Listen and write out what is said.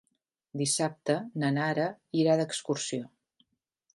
Dissabte na Nara irà d'excursió.